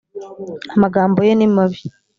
amagambo ye nimabi.